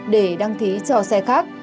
để đăng ký cho xe khác